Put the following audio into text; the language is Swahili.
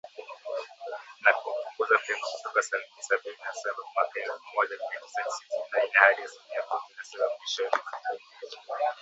Na kupunguza pengo kutoka asilimia sabini na saba mwaka elfu moja mia tisa sitini na nne hadi asilimia kumi na saba mwishoni mwa kipindi hicho